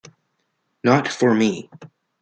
Not for me.